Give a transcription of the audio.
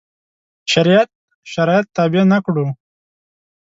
شریعت شرایط تابع نه کړو.